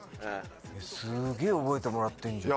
すげぇ覚えてもらってんじゃん。